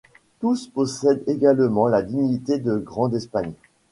Tous possèdent également la dignité de grand d'Espagne.